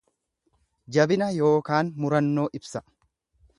Jabina yookaan murannoo ibsa.